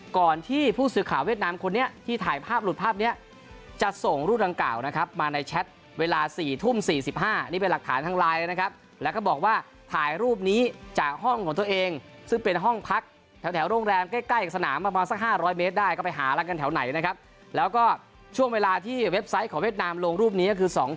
ก่อนที่ผู้สื่อข่าวเวียดนามคนนี้ที่ถ่ายภาพหลุดภาพเนี้ยจะส่งรูปดังกล่าวนะครับมาในแชทเวลา๔ทุ่ม๔๕นี่เป็นหลักฐานทางไลน์นะครับแล้วก็บอกว่าถ่ายรูปนี้จากห้องของตัวเองซึ่งเป็นห้องพักแถวโรงแรมใกล้ใกล้กับสนามประมาณสัก๕๐๐เมตรได้ก็ไปหาแล้วกันแถวไหนนะครับแล้วก็ช่วงเวลาที่เว็บไซต์ของเวียดนามลงรูปนี้ก็คือ